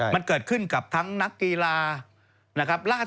มันเกิดขึ้นกับเช่นทั้งนักกีฬา